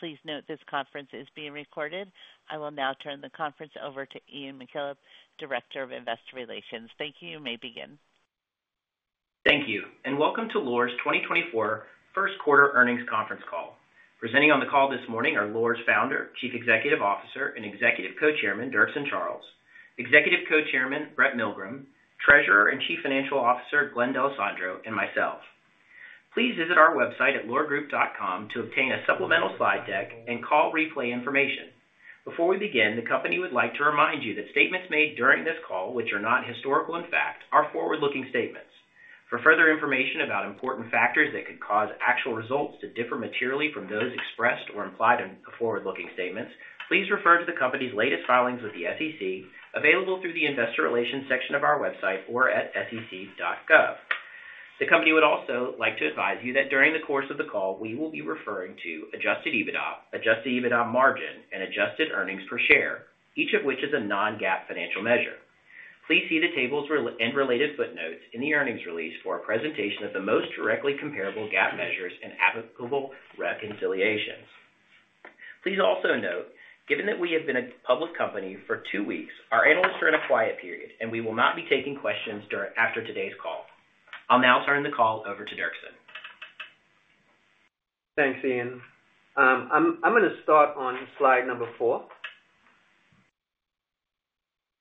Please note this conference is being recorded. I will now turn the conference over to Ian McKillop, Director of Investor Relations. Thank you, you may begin. Thank you, and welcome to Loar's 2024 first quarter earnings conference call. Presenting on the call this morning Loar's founder, Chief Executive Officer, and Executive Co-Chairman Dirkson Charles, Executive Co-Chairman Brett Milgrim, Treasurer and Chief Financial Officer Glenn D'Alessandro, and myself. Please visit our website at loargroup.com to obtain a supplemental slide deck and call replay information. Before we begin, the company would like to remind you that statements made during this call, which are not historical in fact, are forward-looking statements. For further information about important factors that could cause actual results to differ materially from those expressed or implied in the forward-looking statements, please refer to the company's latest filings with the SEC, available through the Investor Relations section of our website or at sec.gov. The company would also like to advise you that during the course of the call we will be referring to Adjusted EBITDA, Adjusted EBITDA Margin, and Adjusted Earnings Per Share, each of which is a non-GAAP financial measure. Please see the tables and related footnotes in the earnings release for a presentation of the most directly comparable GAAP measures and applicable reconciliations. Please also note, given that we have been a public company for two weeks, our analysts are in a quiet period, and we will not be taking questions after today's call. I'll now turn the call over to Dirkson. Thanks, Ian. I'm going to start on slide number 4.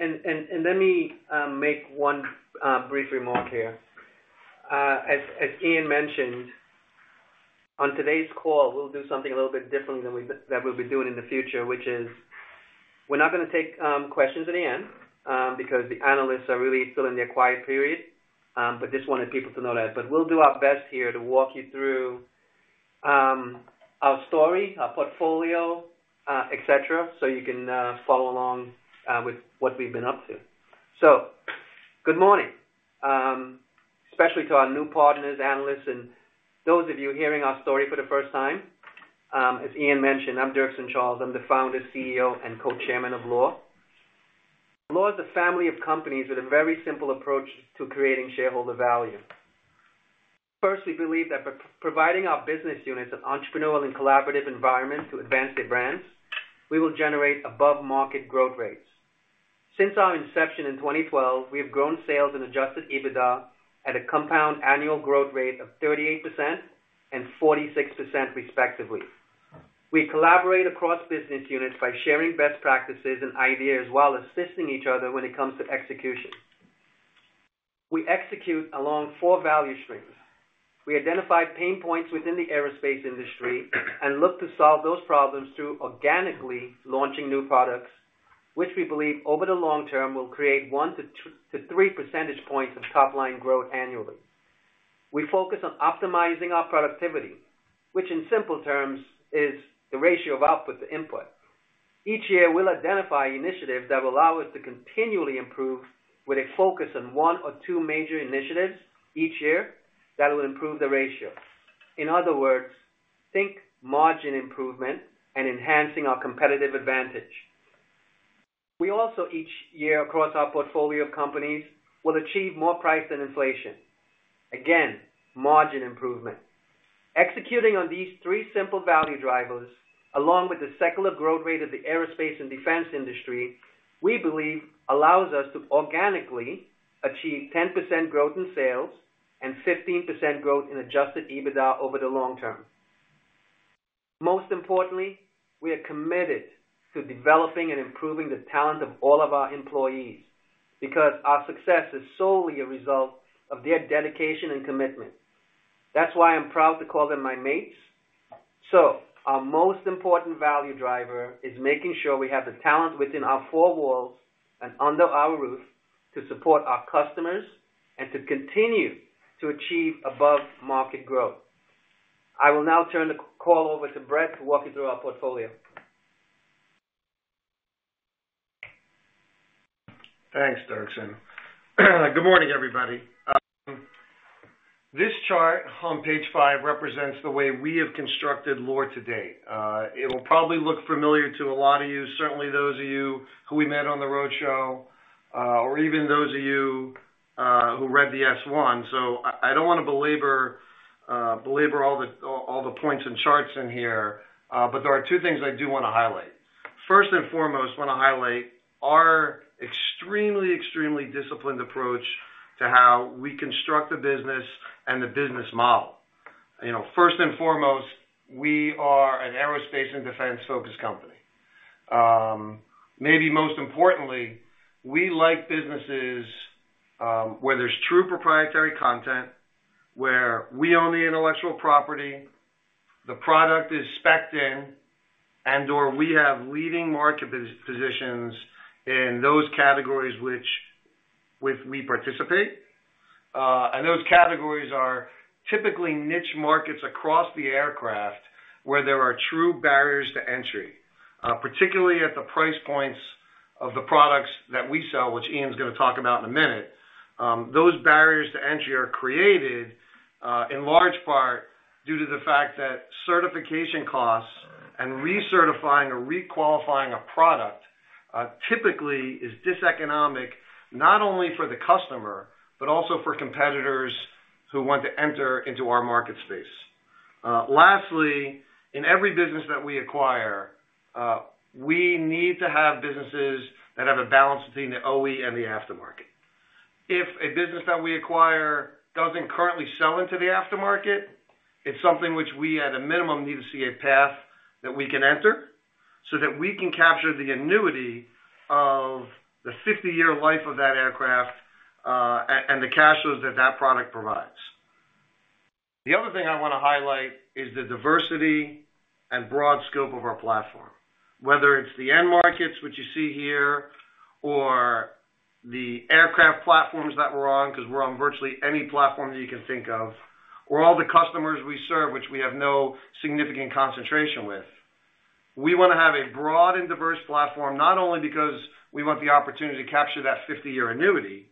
Let me make one brief remark here. As Ian mentioned, on today's call we'll do something a little bit differently than we'll be doing in the future, which is we're not going to take questions at the end because the analysts are really still in their quiet period, but just wanted people to know that. We'll do our best here to walk you through our story, our portfolio, etc., so, you can follow along with what we've been up to. Good morning, especially to our new partners, analysts, and those of you hearing our story for the first time. As Ian mentioned, I'm Dirkson Charles, I'm the founder, CEO, and co-chairman of Loar. Loar is a family of companies with a very simple approach to creating shareholder value. First, we believe that by providing our business units an entrepreneurial and collaborative environment to advance their brands, we will generate above-market growth rates. Since our inception in 2012, we have grown sales and Adjusted EBITDA at a compound annual growth rate of 38% and 46% respectively. We collaborate across business units by sharing best practices and ideas while assisting each other when it comes to execution. We execute along four value streams. We identify pain points within the aerospace industry and look to solve those problems through organically launching new products, which we believe over the long term will create 1-3 percentage points of top-line growth annually. We focus on optimizing our productivity, which in simple terms is the ratio of output to input. Each year we'll identify initiatives that will allow us to continually improve with a focus on one or two major initiatives each year that will improve the ratio. In other words, think margin improvement and enhancing our competitive advantage. We also, each year across our portfolio of companies, will achieve more price than inflation. Again, margin improvement. Executing on these three simple value drivers, along with the secular growth rate of the aerospace and defense industry, we believe allows us to organically achieve 10% growth in sales and 15% growth in Adjusted EBITDA over the long term. Most importantly, we are committed to developing and improving the talent of all of our employees because our success is solely a result of their dedication and commitment. That's why I'm proud to call them my mates. Our most important value driver is making sure we have the talent within our four walls and under our roof to support our customers and to continue to achieve above-market growth. I will now turn the call over to Brett to walk you through our portfolio. Thanks, Dirkson. Good morning, everybody. This chart on page 5 represents the way we have constructed Loar today. It will probably look familiar to a lot of you, certainly those of you who we met on the road show, or even those of you who read the S-1. So, I don't want to belabor all the points and charts in here, but there are two things I do want to highlight. First and foremost, I want to highlight our extremely, extremely disciplined approach to how we construct the business and the business model. First and foremost, we are an aerospace and defense-focused company. Maybe most importantly, we like businesses where there's true proprietary content, where we own the intellectual property, the product is specced in, and/or we have leading market positions in those categories which we participate. Those categories are typically niche markets across the aircraft where there are true barriers to entry, particularly at the price points of the products that we sell, which Ian's going to talk about in a minute. Those barriers to entry are created in large part due to the fact that certification costs and recertifying or requalifying a product typically is diseconomic not only for the customer but also for competitors who want to enter into our market space. Lastly, in every business that we acquire, we need to have businesses that have a balance between the OE and the aftermarket. If a business that we acquire doesn't currently sell into the aftermarket, it's something which we at a minimum need to see a path that we can enter so that we can capture the annuity of the 50-year life of that aircraft and the cash flows that that product provides. The other thing I want to highlight is the diversity and broad scope of our platform. Whether it's the end markets, which you see here, or the aircraft platforms that we're on, because we're on virtually any platform that you can think of, or all the customers we serve, which we have no significant concentration with, we want to have a broad and diverse platform not only because we want the opportunity to capture that 50-year annuity,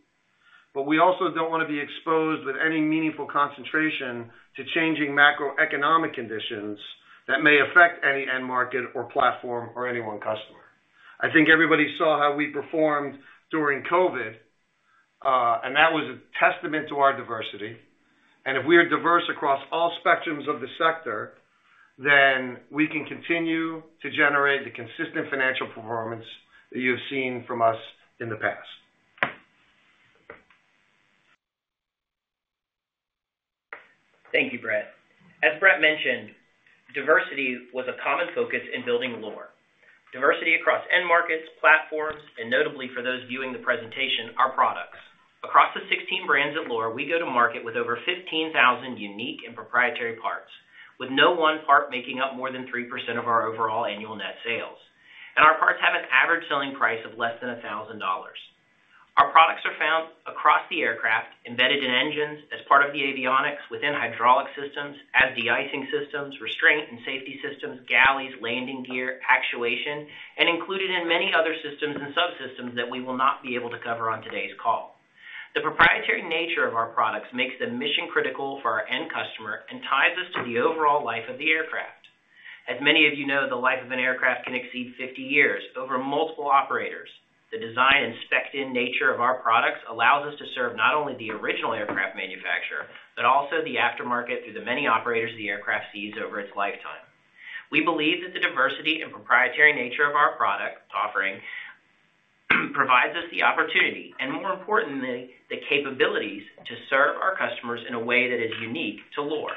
but we also don't want to be exposed with any meaningful concentration to changing macroeconomic conditions that may affect any end market or platform or any one customer. I think everybody saw how we performed during COVID, and that was a testament to our diversity. And if we are diverse across all spectrums of the sector, then we can continue to generate the consistent financial performance that you have seen from us in the past. Thank you, Brett. As Brett mentioned, diversity was a common focus in building Loar. Diversity across end markets, platforms, and notably for those viewing the presentation, our products. Across the 16 brands at Loar, we go to market with over 15,000 unique and proprietary parts, with no one part making up more than 3% of our overall annual net sales. Our parts have an average selling price of less than $1,000. Our products are found across the aircraft, embedded in engines, as part of the avionics, within hydraulic systems, as de-icing systems, restraint and safety systems, galleys, landing gear, actuation, and included in many other systems and subsystems that we will not be able to cover on today's call. The proprietary nature of our products makes them mission-critical for our end customer and ties us to the overall life of the aircraft. As many of you know, the life of an aircraft can exceed 50 years over multiple operators. The design and specced-in nature of our products allow us to serve not only the original aircraft manufacturer but also the aftermarket through the many operators the aircraft sees over its lifetime. We believe that the diversity and proprietary nature of our product offering provide us the opportunity and, more importantly, the capabilities to serve our customers in a way that is unique to Loar.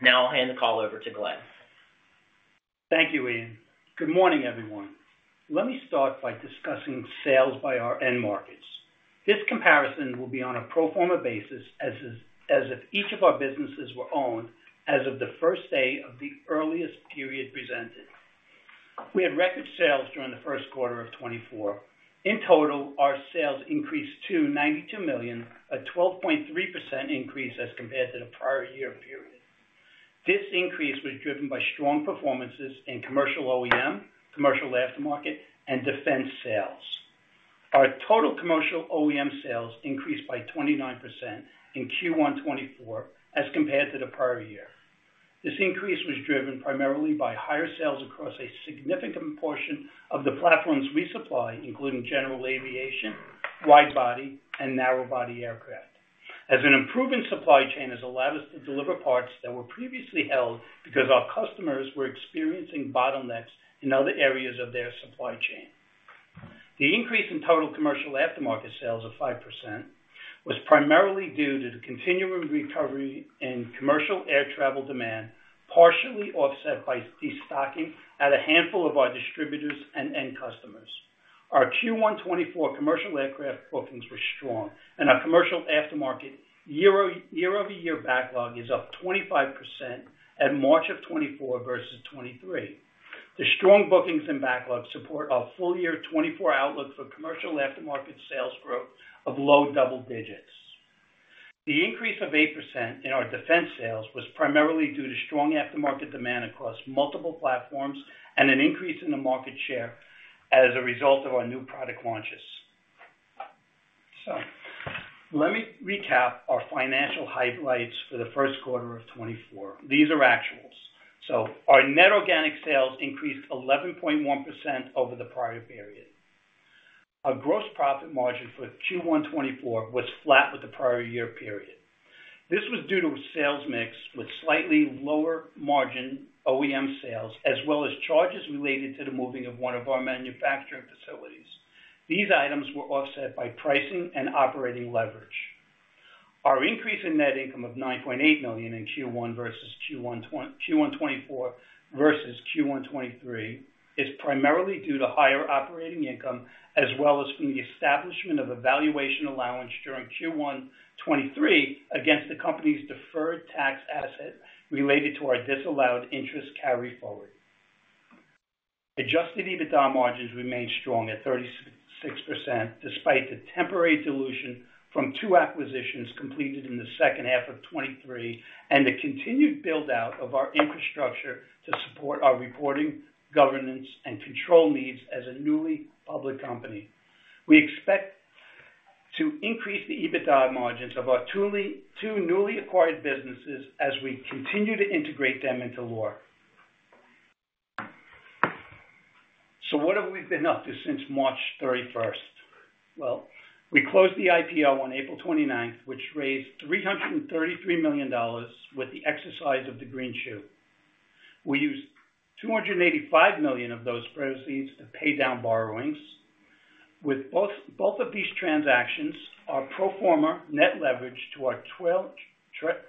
Now I'll hand the call over to Glenn. Thank you, Ian. Good morning, everyone. Let me start by discussing sales by our end markets. This comparison will be on a pro forma basis as if each of our businesses were owned as of the first day of the earliest period presented. We had record sales during the first quarter of 2024. In total, our sales increased to $92 million, a 12.3% increase as compared to the prior year period. This increase was driven by strong performances in commercial OEM, commercial aftermarket, and defense sales. Our total commercial OEM sales increased by 29% in Q1 2024 as compared to the prior year. This increase was driven primarily by higher sales across a significant portion of the platforms we supply, including general aviation, widebody, and narrowbody aircraft, as an improving supply chain has allowed us to deliver parts that were previously held because our customers were experiencing bottlenecks in other areas of their supply chain. The increase in total commercial aftermarket sales of 5% was primarily due to the continuum recovery in commercial air travel demand, partially offset by destocking at a handful of our distributors and end customers. Our Q1 2024 commercial aircraft bookings were strong, and our commercial aftermarket year-over-year backlog is up 25% at March of 2024 versus 2023. The strong bookings and backlog support our full-year 2024 outlook for commercial aftermarket sales growth of low double digits. The increase of 8% in our defense sales was primarily due to strong aftermarket demand across multiple platforms and an increase in the market share as a result of our new product launches. Let me recap our financial highlights for the first quarter of 2024. These are actuals. Our net organic sales increased 11.1% over the prior period. Our gross profit margin for Q1 2024 was flat with the prior year period. This was due to sales mix with slightly lower margin OEM sales as well as charges related to the moving of one of our manufacturing facilities. These items were offset by pricing and operating leverage. Our increase in net income of $9.8 million in Q1 versus Q1 2024 versus Q1 2023 is primarily due to higher operating income as well as from the establishment of a valuation allowance during Q1 2023 against the company's deferred tax asset related to our disallowed interest carry forward. Adjusted EBITDA margins remained strong at 36% despite the temporary dilution from two acquisitions completed in the second half of 2023 and the continued buildout of our infrastructure to support our reporting, governance, and control needs as a newly public company. We expect to increase the EBITDA margins of our two newly acquired businesses as we continue to integrate them into Loar. So, what have we been up to since March 31st? Well, we closed the IPO on April 29th, which raised $333 million with the exercise of the greenshoe. We used $285 million of those proceeds to pay down borrowings. With both of these transactions, our pro forma net leverage to our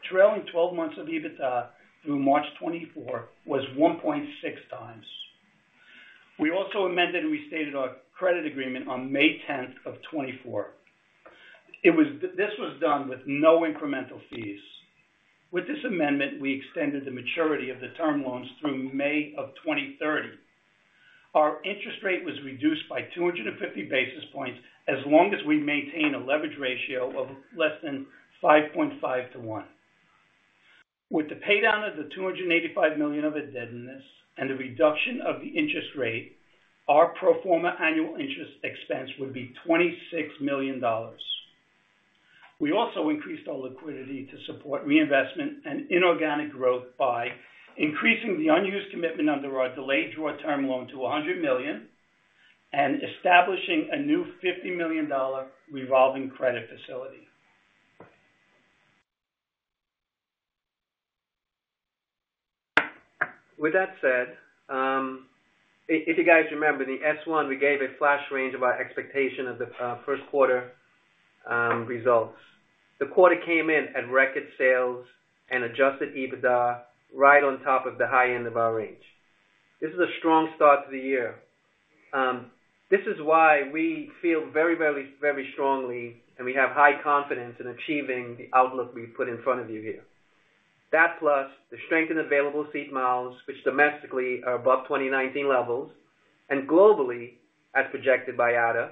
trailing 12 months of EBITDA through March 2024 was 1.6x. We also amended and restated our credit agreement on May 10th of 2024. This was done with no incremental fees. With this amendment, we extended the maturity of the term loans through May of 2030. Our interest rate was reduced by 250 basis points as long as we maintain a leverage ratio of less than 5.5 to 1. With the paydown of the $285 million of indebtedness and the reduction of the interest rate, our pro forma annual interest expense would be $26 million. We also increased our liquidity to support reinvestment and inorganic growth by increasing the unused commitment under our Delayed Draw Term Loan to $100 million and establishing a new $50 million revolving credit facility. With that said, if you guys remember, in the S-1, we gave a flash range of our expectation of the first quarter results. The quarter came in at record sales and Adjusted EBITDA right on top of the high end of our range. This is a strong start to the year. This is why we feel very, very, very strongly, and we have high confidence in achieving the outlook we've put in front of you here. That plus the strength in available seat miles, which domestically are above 2019 levels, and globally, as projected by IATA,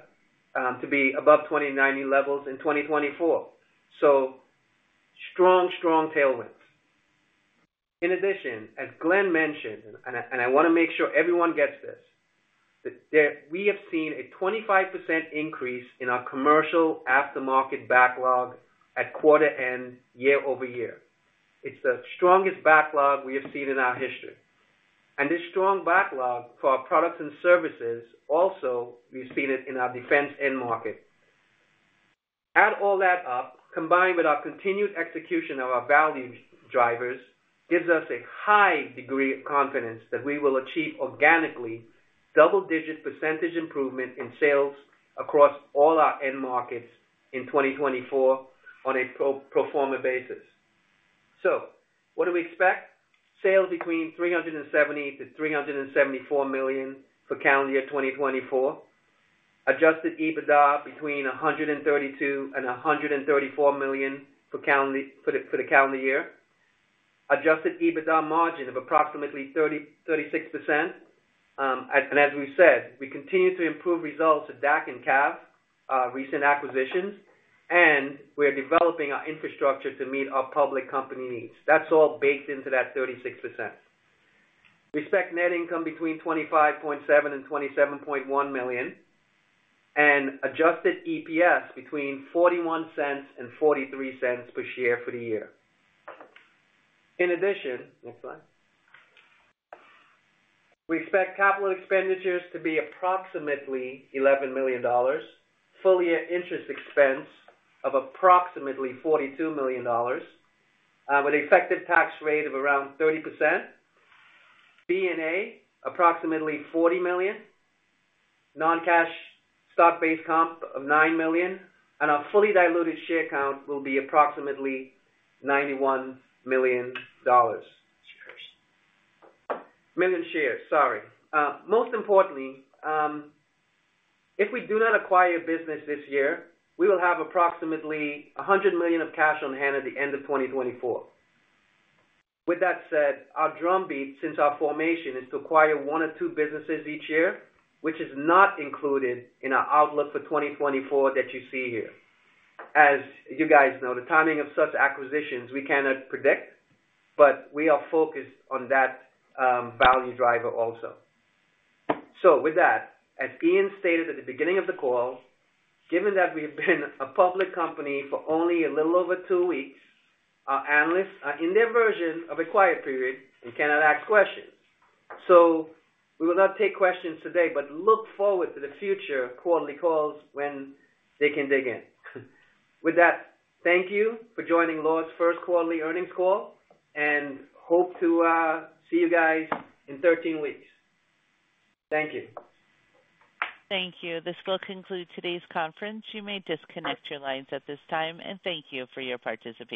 to be above 2019 levels in 2024. So, strong, strong tailwinds. In addition, as Glenn mentioned, and I want to make sure everyone gets this, that we have seen a 25% increase in our commercial aftermarket backlog at quarter end year-over-year. It's the strongest backlog we have seen in our history. This strong backlog for our products and services, also, we've seen it in our defense end market. Add all that up, combined with our continued execution of our value drivers, gives us a high degree of confidence that we will achieve organically double-digit percentage improvement in sales across all our end markets in 2024 on a pro forma basis. So, what do we expect? Sales between $370-$374 million for calendar year 2024, Adjusted EBITDA between $132 million and $134 million for the calendar year, Adjusted EBITDA margin of approximately 36%. And as we've said, we continue to improve results at DAC and CAV, recent acquisitions, and we're developing our infrastructure to meet our public company needs. That's all baked into that 36%. We expect net income between $25.7 million and $27.1 million and Adjusted EPS between $0.41 and $0.43 per share for the year. In addition, next slide. We expect capital expenditures to be approximately $11 million, full-year interest expense of approximately $42 million with an effective tax rate of around 30%, D&A approximately $40 million, non-cash stock-based comp of $9 million, and our fully diluted share count will be approximately 91 million shares. Sorry. Most importantly, if we do not acquire a business this year, we will have approximately $100 million of cash on hand at the end of 2024. With that said, our drumbeat since our formation is to acquire one or two businesses each year, which is not included in our outlook for 2024 that you see here. As you guys know, the timing of such acquisitions, we cannot predict, but we are focused on that value driver also. So, with that, as Ian stated at the beginning of the call, given that we have been a public company for only a little over 2 weeks, our analysts are in their version of a quiet period and cannot ask questions. So, we will not take questions today but look forward to the future quarterly calls when they can dig in. With that, thank you for joining Loar's first quarterly earnings call and hope to see you guys in 13 weeks. Thank you. Thank you. This will conclude today's conference. You may disconnect your lines at this time, and thank you for your participation.